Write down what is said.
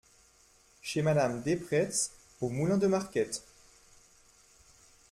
chez Mme Despretz, au Moulin de Marquette.